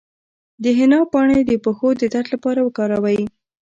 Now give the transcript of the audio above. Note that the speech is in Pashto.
د حنا پاڼې د پښو د درد لپاره وکاروئ